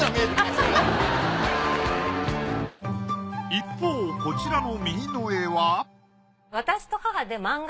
一方こちらの右の絵はマンガ！？